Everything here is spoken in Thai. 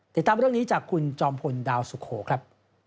ติดตามเรื่องนี้จากคุณจอมพลดาวสุโขครับ